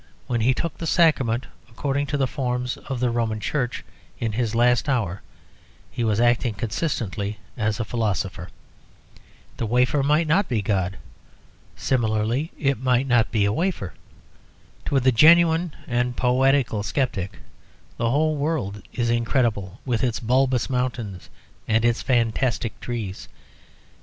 When he took the Sacrament according to the forms of the Roman Church in his last hour he was acting consistently as a philosopher. The wafer might not be God; similarly it might not be a wafer. To the genuine and poetical sceptic the whole world is incredible, with its bulbous mountains and its fantastic trees.